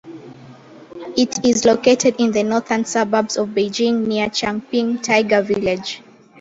It is located in the northern suburbs of Beijing near Changping tiger village.